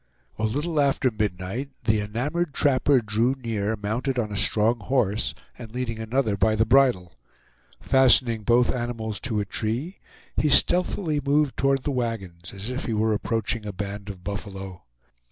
A little after midnight the enamored trapper drew near, mounted on a strong horse and leading another by the bridle. Fastening both animals to a tree, he stealthily moved toward the wagons, as if he were approaching a band of buffalo.